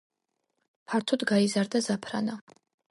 ფართოდ გაიზარდა ზაფრანა.